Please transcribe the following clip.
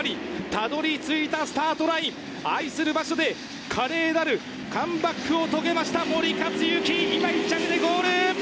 たどりついたスタートライン、愛する場所で、華麗なるカムバックを遂げました、森且行。